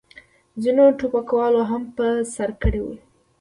ځینو ټوپکوالو هم په سر کړې وې.